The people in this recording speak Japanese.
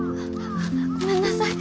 ごめんなさい。